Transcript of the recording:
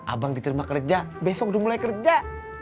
abang diterima kerja besok udah mulai kerja